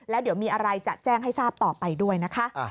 แล้วเดี๋ยวมีอะไรจะแจ้งให้ทราบต่อไปด้วยนะคะ